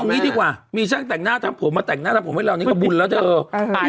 งี้ดีกว่ามีช่างแต่งหน้าทำผมมาแต่งหน้าทำผมให้เรานี่ก็บุญแล้วเถอะ